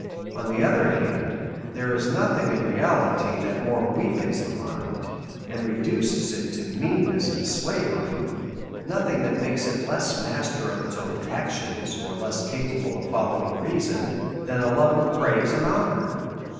On the other hand, there is nothing in reality that more weakens the mind, and reduces it to meanness and slavery, nothing that makes < it less master of its own actions, or less capable of following reason, than a love of praise and honour.